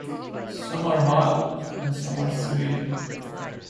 Some are mild and some are severe.